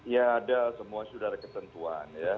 ya ada semua sudah ada ketentuan ya